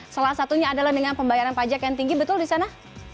salah satunya adalah dengan pembayaran pajak yang tinggi betul di sana